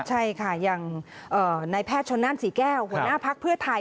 ใช่ค่ะอย่างในแพทย์ชนนั่นสี่แก้วหัวหน้าพักเพื่อไทย